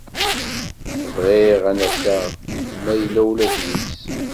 Bɣiɣ ad n-aseɣ ma yella ulac deg-s.